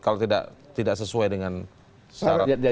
kalau tidak sesuai dengan syarat